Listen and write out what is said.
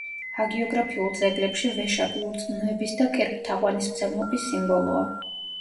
ჰაგიოგრაფიულ ძეგლებში ვეშაპი ურწმუნოების და კერპთაყვანისმცემლობის სიმბოლოა.